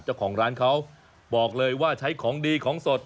เจ้าของร้านเขาบอกเลยว่าใช้ของดีของสด